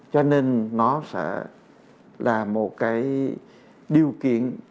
cho nên nó sẽ là một cái điều kiện